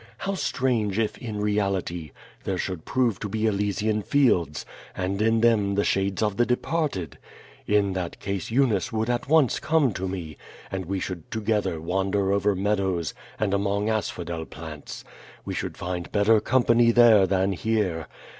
How strange if in reality there should prove to 368 Q^^ VADIf^. be Elysian fields, and in them the shades of the departed! In tliat ease Eunice would at once come to me, and we should together wander over meadows and among asphodel plants. We should find better company there than here.